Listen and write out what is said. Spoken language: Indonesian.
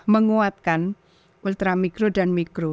menguatkan ultra mikro dan mikro